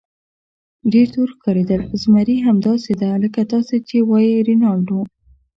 ډېر تور ښکارېدل، زمري: همداسې ده لکه تاسې چې وایئ رینالډو.